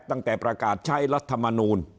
ตั้งแต่ประกาศใช้รัฐมนูล